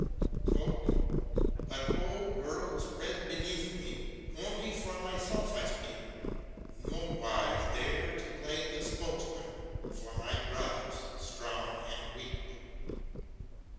222 BROWNING AND MONTAIGNE But, O world spread out beneath me ! only for myself I speak, Nowise dare to play the spokesman for my brothers strong and weak.